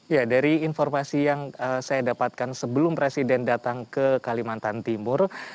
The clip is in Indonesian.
ya dari informasi yang saya dapatkan sebelum presiden datang ke kalimantan timur